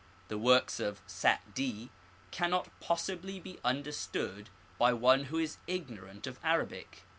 The works of Sa'di cannot possibly be understood by one who ifi ignorant of Arabic.